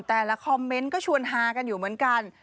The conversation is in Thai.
แต่ละคอมเมนต์ก็ชวนฮากันอยู่เหมือนกัน